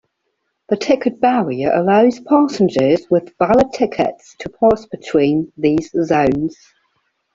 The ticket barrier allows passengers with valid tickets to pass between these zones.